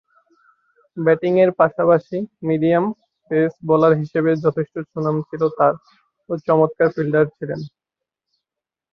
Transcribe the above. ব্যাটিংয়ের পাশাপাশি medium pace bowler হিসেবে যথেষ্ট সুনাম ছিল তার ও চমৎকার ফিল্ডার ছিলেন।